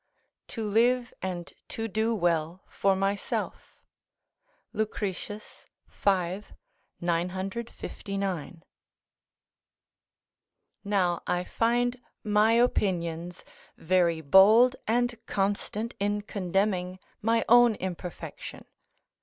["To live and to do well for myself." Lucretius, v. 959.] Now I find my opinions very bold and constant in condemning my own imperfection.